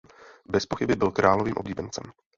Bezpochyby byl královým oblíbencem.